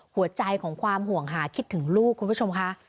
หัวใจของความห่วงหาคิดถึงลูกคุณผู้ชมค่ะ